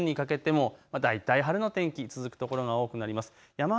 夜にかけても大体晴れの天気続く所が多くなります。